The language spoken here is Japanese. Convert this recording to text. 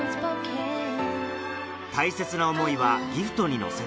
大切な思いはギフトに乗せて